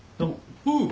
おう。